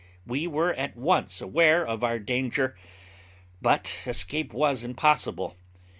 We were at once aware of our danger, but escape was impossible.